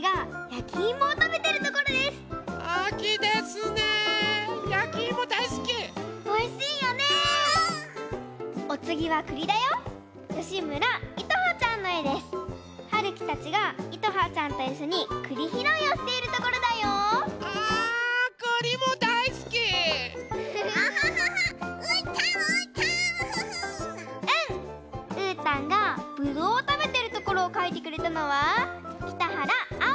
うーたんがぶどうをたべてるところをかいてくれたのはきたはらあ